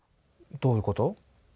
どういうこと？